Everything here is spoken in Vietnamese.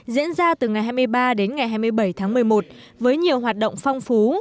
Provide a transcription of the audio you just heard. diễn ra từ ngày hai mươi ba đến ngày hai mươi bảy tháng một mươi một với nhiều hoạt động phong phú